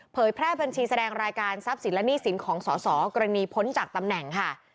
แพร่บัญชีแสดงรายการทรัพย์สินและหนี้สินของสอสอกรณีพ้นจากตำแหน่งค่ะ